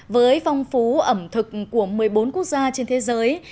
với phong phú ẩm thực của một mươi bốn quốc gia trên thế giới